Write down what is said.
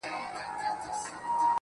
کابل ورانېږي، کندهار ژاړي، زابل ژاړي_